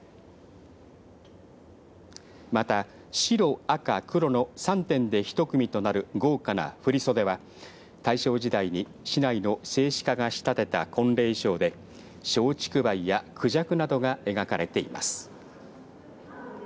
また白、赤、黒の３点で１組となる豪華な振り袖は大正時代に市内の製糸家が仕立てた婚礼衣装で松竹梅やくじゃくなどが描かれています。